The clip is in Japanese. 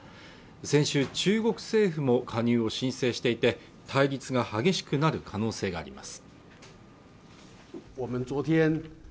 先週中国政府も加入を申請していて対立が激しくなる可能性があります